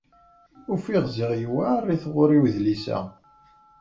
Ufiɣ ziɣ yewɛeṛ i tɣuṛi wedlis-a.